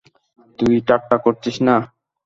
তুই ঠাট্টা করছিস, না?